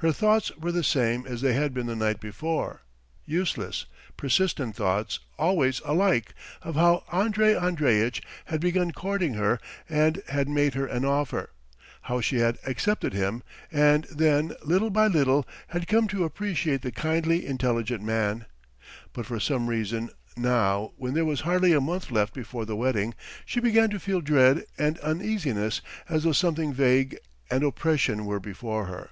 Her thoughts were the same as they had been the night before, useless, persistent thoughts, always alike, of how Andrey Andreitch had begun courting her and had made her an offer, how she had accepted him and then little by little had come to appreciate the kindly, intelligent man. But for some reason now when there was hardly a month left before the wedding, she began to feel dread and uneasiness as though something vague and oppressive were before her.